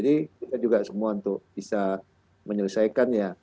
ini juga semua untuk bisa menyelesaikannya